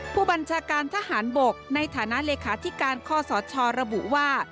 ผู้บัญชาการทหารบกในฐานะเลขาธิการข้อสชระบุว่า